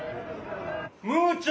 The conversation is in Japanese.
ムーチョ！